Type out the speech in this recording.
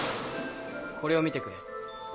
これを見てくれ。